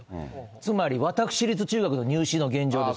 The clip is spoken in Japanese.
つまり、私立中学の入試の現状です。